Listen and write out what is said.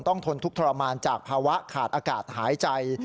ทนทุกข์ทรมานจากภาวะขาดอากาศหายใจ